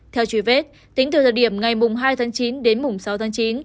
theo truy vết tính từ thời điểm ngày hai tháng chín đến mùng sáu tháng chín